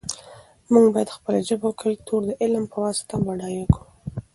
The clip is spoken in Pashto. موږ باید خپله ژبه او کلتور د علم په واسطه بډایه کړو.